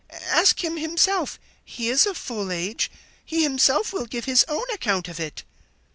Ask him himself; he is of full age; he himself will give his own account of it."